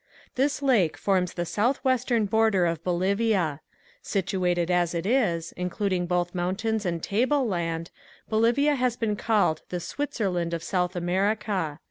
This lake forms the northwestern border of Bolivia. Situated as it is, including both mountains and table land, Bolivia has been called the Switzerland of South America.